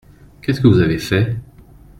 Qu’est-ce que vous avez fait ?